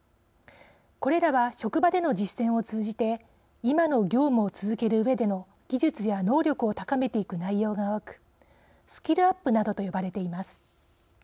これらは職場での実践を通じて今の業務を続けるうえでの技術や能力を高めていく内容が多く、スキルアップなどと呼ばれています。